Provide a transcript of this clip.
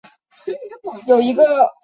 头孢唑肟常态下为白色或淡黄色结晶。